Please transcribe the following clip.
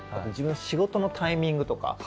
自分の仕事のタイミングとか。